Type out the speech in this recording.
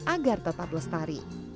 agar tetap lestari